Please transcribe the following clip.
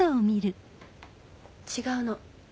違うの。